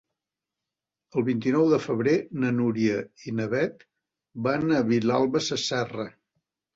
El vint-i-nou de febrer na Núria i na Beth van a Vilalba Sasserra.